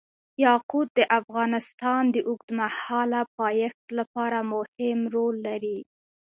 یاقوت د افغانستان د اوږدمهاله پایښت لپاره مهم رول لري.